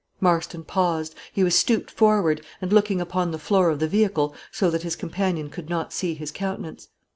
Marston paused. He was stooped forward, and looking upon the floor of the vehicle, so that his companion could not see his countenance.